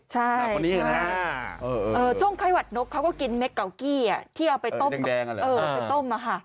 จ้องไขวัดนกเขาก็กินเม็ดเกากี้ที่เอาไปต้ม